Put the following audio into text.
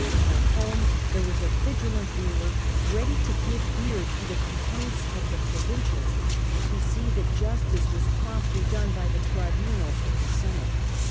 At home there was a vigilant ruler, ready to give ear to the complaints of the provincials, and to see that justice was promptly done by the tribunals or the Senate.